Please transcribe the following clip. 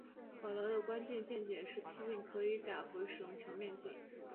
保罗的关键见解是次镜可以改回使用球面镜。